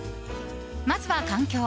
まずは環境。